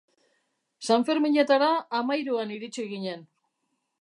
Sanferminetara hamahiruan iritsi ginen.